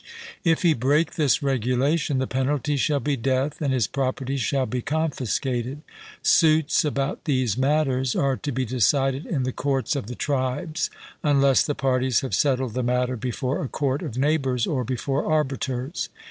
If he break this regulation, the penalty shall be death, and his property shall be confiscated. Suits about these matters are to be decided in the courts of the tribes, unless the parties have settled the matter before a court of neighbours or before arbiters.